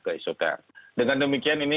ke isoter dengan demikian ini